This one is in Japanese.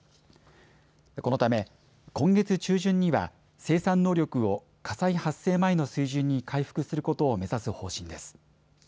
このため今月中旬には生産能力を火災発生前の水準に回復することを目指す方針です。